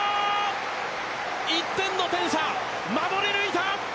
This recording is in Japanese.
１点の点差、守り抜いた。